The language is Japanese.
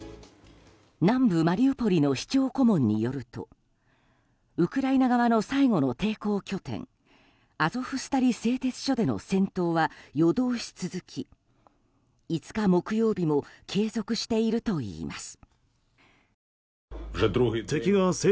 南部マリウポリの市長顧問によるとウクライナ側の最後の抵抗拠点アゾフスタリ製鉄所での戦闘は夜通し続き５日木曜日も継続しているといいます。